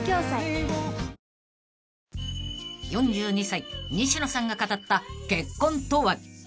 ［４２歳西野さんが語った結婚とは？］